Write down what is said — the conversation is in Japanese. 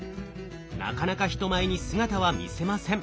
なかなか人前に姿は見せません。